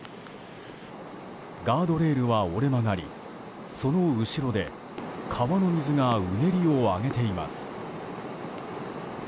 ガードレールは折れ曲がりその後ろで川の水がうねりを上げています。